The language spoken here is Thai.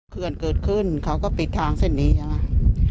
เขื่อนเกิดขึ้นเขาก็ปิดทางเส้นนี้ใช่ไหม